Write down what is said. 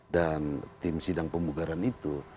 dan tim sidang pemugaran itu